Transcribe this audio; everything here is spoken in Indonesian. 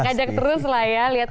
ajak ajak terus lah ya